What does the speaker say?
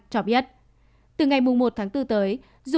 cho biết từ ngày một bốn tới